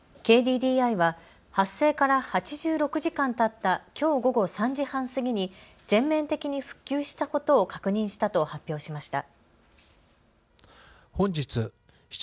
ＫＤＤＩは発生から８６時間たったきょう午後３時半過ぎに全面的に復旧したことを確認したと発表しました。